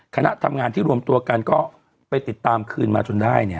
คณะทำงานที่รวมตัวกันก็ไปติดตามคืนมาจนได้เนี่ย